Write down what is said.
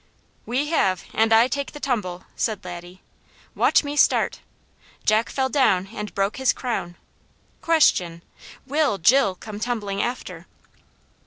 "We have! and I take the tumble," said Laddie. "Watch me start! 'Jack fell down and broke his crown.' Question will 'Jill come tumbling after?'"